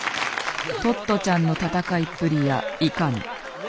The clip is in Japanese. トットちゃんの戦いっぷりやいかに？